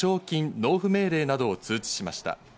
納付命令などを通知しました。